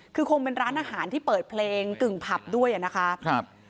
คือคงเป็นร้านอาหารที่เปิดเพลงกึ่งผับด้วยอ่ะนะคะครับ